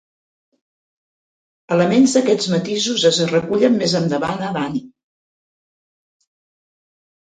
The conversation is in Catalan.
Elements d'aquests matisos es recullen més endavant a Danny!